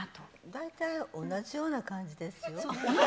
大体、同じような感じですよ。